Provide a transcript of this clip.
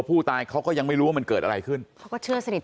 ผู้ตายเขาก็ยังไม่รู้ว่ามันเกิดอะไรขึ้นเขาก็เชื่อสนิท